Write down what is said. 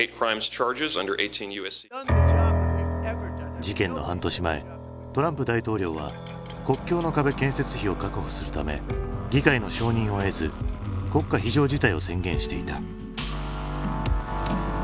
事件の半年前トランプ大統領は国境の壁建設費を確保するため議会の承認を得ず国家非常事態を宣言していた。